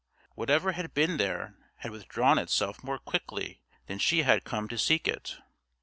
Whatever had been there had withdrawn itself more quickly than she had come to seek it.